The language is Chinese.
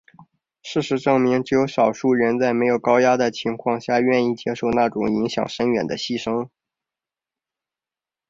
事实证明只有少数人在没有高压的情况下愿意接受那种影响深远的牺牲。